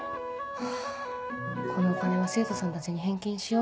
はぁこのお金は生徒さんたちに返金しよう。